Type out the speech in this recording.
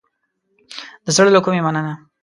د زړه له کومې مننه